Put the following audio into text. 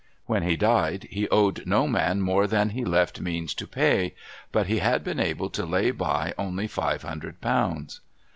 When he died, he owed no man more than he left means to pay, but he had been able to lay by only five hundred pounds.'